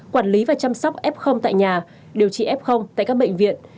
quản lý và chăm sóc f tại nhà điều trị f tại các bệnh viện